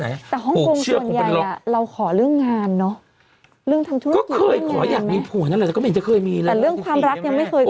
เรื่องความรักยังไม่เคยกลัว